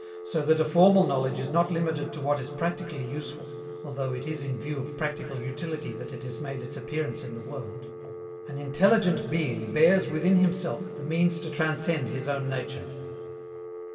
So that a formal knowledge is not limited to what is practically useful, although it is in view of practical utility that it has made its appearance in the world. An intelligent being bears within himself the means to transcend his own nature.